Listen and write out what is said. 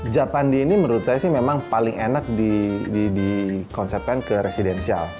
japandi ini menurut saya sih memang paling enak dikonsepkan ke residensial